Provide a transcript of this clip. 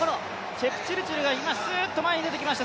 チェプチルチルが今、すっと前に出てきました。